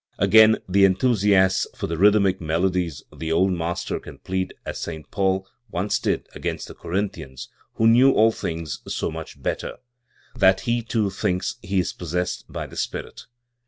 Against the enthusiasts for the rhythmic melodies the old master can plead as St. Paul once did against the Corinthians who knew all things so much better, that he too thinks he is possessed by the spirit.